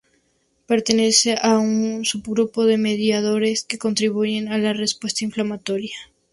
Pertenece a un subgrupo de mediadores que contribuyen a la respuesta inflamatoria.